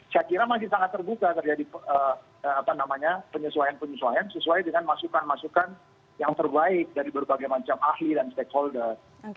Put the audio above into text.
saya kira masih sangat terbuka terjadi penyesuaian penyesuaian sesuai dengan masukan masukan yang terbaik dari berbagai macam ahli dan stakeholder